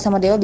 ya mau tapi